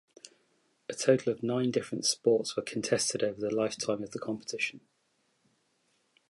A total of nine different sports were contested over the lifetime of the competition.